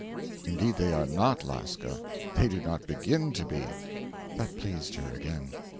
'Indeed, they are not, Lasca they do not begin to be.' That pleased her again.